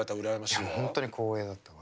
いや本当に光栄だったわ。